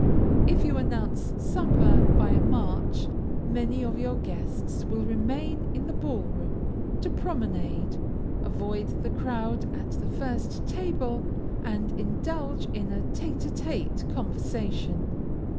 If you announce supper by a march, many of your guests will remain in the ball room, to promenade, avoid the crowd at the first table, and indulge in a tête à tête conversation.